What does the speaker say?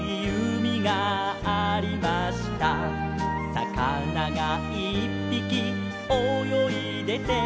「さかながいっぴきおよいでて」